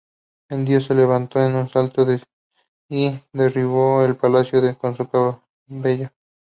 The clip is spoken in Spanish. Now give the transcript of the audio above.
El dios se levantó de un salto y derribó el palacio con su cabello.